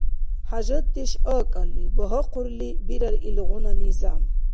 ХӀяжатдеш акӀалли, багьахъурли бирар илгъуна низам.